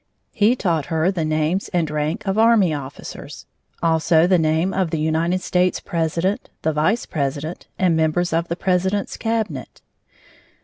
He taught her the names and rank of army officers. Also the name of the United States' president, the vice president, and members of the president's cabinet.